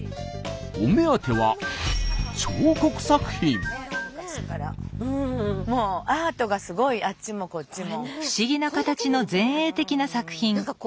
お目当てはアートがすごいあっちもこっちも。